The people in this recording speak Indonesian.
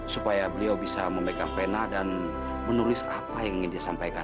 supaya beliau bisa memegang pena dan menulis apa yang ingin disampaikan